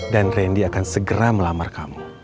dan randy akan segera melamar kamu